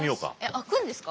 開くんですか？